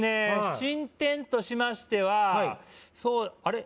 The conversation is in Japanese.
進展としましてははいそうあれ？